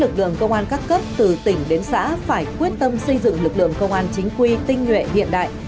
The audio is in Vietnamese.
lực lượng công an các cấp từ tỉnh đến xã phải quyết tâm xây dựng lực lượng công an chính quy tinh nguyện hiện đại